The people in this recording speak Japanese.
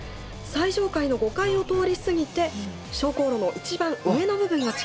最上階の５階を通り過ぎて昇降路の一番上の部分が近づいてきました。